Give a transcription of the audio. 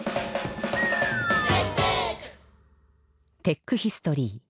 テックヒストリー。